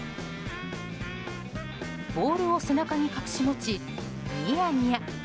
ボールを背中に隠し持ちニヤニヤ。